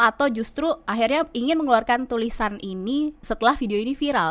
atau justru akhirnya ingin mengeluarkan tulisan ini setelah video ini viral